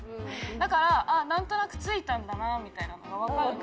だから何となく着いたんだなぁみたいなのが分かるんで。